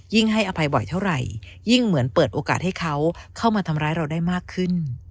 ให้อภัยบ่อยเท่าไหร่ยิ่งเหมือนเปิดโอกาสให้เขาเข้ามาทำร้ายเราได้มากขึ้น